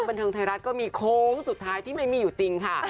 บันเทิงไทยรัฐก็มีโค้งสุดท้ายที่ไม่มีอยู่จริงค่ะ